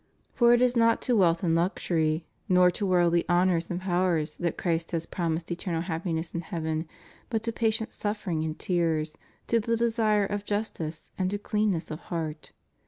For it is not to wealth and luxur}^, nor to worldly honors and powers that Christ has promised eternal happiness in heaven, but to patient suffering and tears, to the desire of justice and to cleanness of heart.